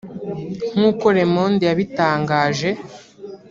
nk’uko Le Monde yabitangaje